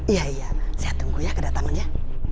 iya iya saya tunggu ya kedatangannya